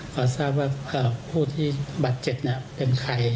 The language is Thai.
ก็ทราบว่าเอ่อผู้ที่บัตรเจ็บเนี้ยเป็นใคร